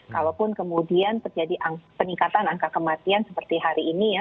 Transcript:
kalaupun kemudian terjadi peningkatan angka kematian seperti hari ini ya